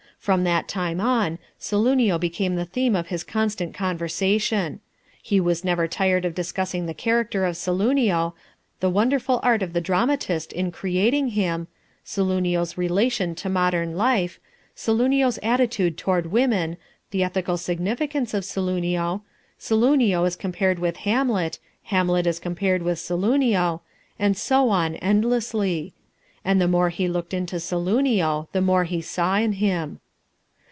From that time on Saloonio became the theme of his constant conversation. He was never tired of discussing the character of Saloonio, the wonderful art of the dramatist in creating him, Saloonio's relation to modern life, Saloonio's attitude toward women, the ethical significance of Saloonio, Saloonio as compared with Hamlet, Hamlet as compared with Saloonio and so on, endlessly. And the more he looked into Saloonio, the more he saw in him.